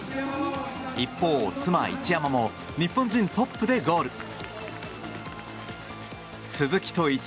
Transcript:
一方、妻・一山も日本人トップでゴール。